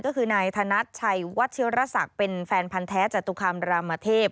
ก็คือนายธนัดชัยวัชิรษักเป็นแฟนพันธ์แท้จตุคามรามเทพ